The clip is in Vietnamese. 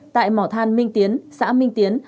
tại mỏ than minh tiến xã minh tiến